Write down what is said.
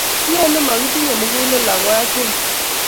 lenee mokitinye mugulel ako achek?